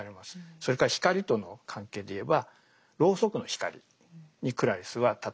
それから光との関係でいえばろうそくの光にクラリスは例えられています。